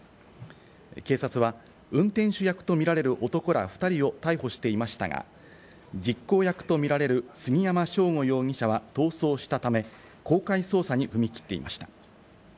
警察は運転手役とみられる男ら２人を逮捕していましたが、実行役とみられる杉山翔吾容疑者は逃走したため、公開捜査に踏み切っていました。